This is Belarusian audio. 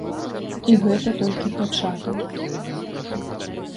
І гэта толькі пачатак.